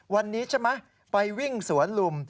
วันนี้ใช่ไหมไปวิ่งสวนลุม